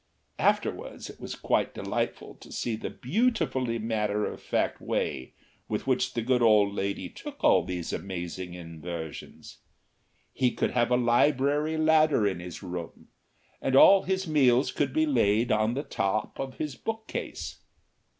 (Afterwards it was quite delightful to see the beautifully matter of fact way with which the good lady took all these amazing inversions.) He could have a library ladder in his room, and all his meals could be laid on the top of his bookcase.